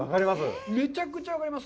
めちゃくちゃ分かります。